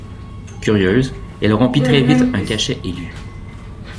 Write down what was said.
Curieuse, elle rompit très vite un cachet et lut.